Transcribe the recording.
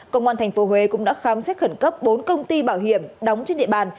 công an tp huế cũng đã khám xét khẩn cấp bốn công ty bảo hiểm đóng trên địa bàn